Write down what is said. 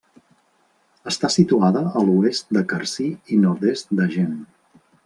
Està situada a l'oest de Carcí i nord-est d'Agen.